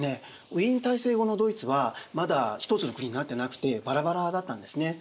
ウィーン体制後のドイツはまだ一つの国になってなくてバラバラだったんですね。